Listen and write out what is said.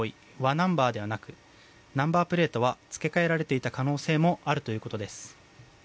ナンバーではなくナンバープレートは付け替えられていた可能性もあるということです。